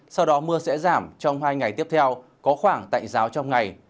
sau đó mưa sẽ giảm trong hai ngày tiếp theo có khoảng tạnh giáo trong ngày